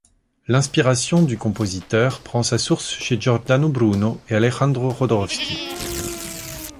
L'inspiration du compositeur prend sa source chez Giordano Bruno et Alejandro Jodorowsky.